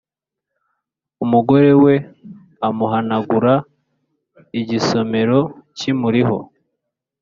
umugorewe amuhanagura igisomero kimuriho